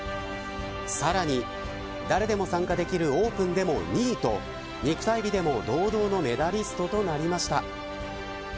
さらに、誰でも参加できるオープンでも２位と肉体美でも堂々のメダリストとなりました。